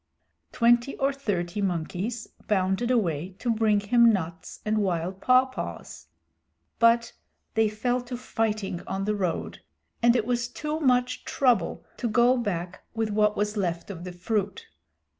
Twenty or thirty monkeys bounded away to bring him nuts and wild pawpaws. But they fell to fighting on the road, and it was too much trouble to go back with what was left of the fruit.